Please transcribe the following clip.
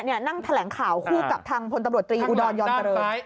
นั่งแถลงข่าวคู่กับทางพลตำรวจตรีอุดรยอมเจริญ